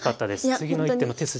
次の一手の手筋